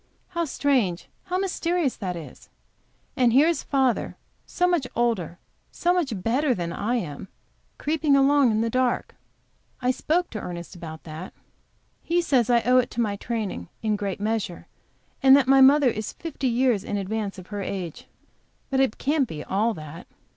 How strange, how mysterious that is! And here is father, so much older, so much better than I am, creeping along in the dark! I spoke to Ernest about it. He says I owe it to my training, in a great measure, and that my mother is fifty years in advance of her age. But it can't be all that.